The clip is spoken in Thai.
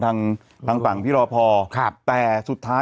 ยังไงยังไงยังไงยังไง